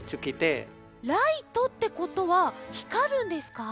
ライトってことはひかるんですか？